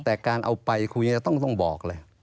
แต่การเอาไปคุณจะต้องบอกเลย